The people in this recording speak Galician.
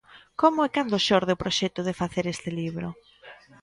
Como e cando xorde o proxecto de facer este libro?